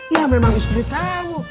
ya memang istri kamu